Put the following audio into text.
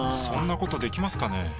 そんなことできますかね？